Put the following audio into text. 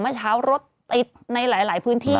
เมื่อเช้ารถติดในหลายพื้นที่